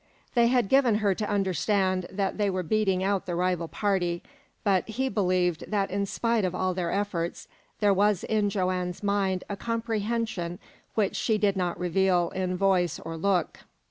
They had given her to understand that they were beating out the rival party, but he believed that in spite of all their efforts there was in Joanne's mind a comprehension which she did not reveal in voice or look.